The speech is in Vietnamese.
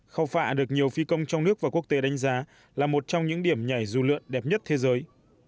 khao phạ được nhiều phi công trong nước và quốc tế đánh giá là một trong những điểm nhảy dù lượn đẹp nhất thế giới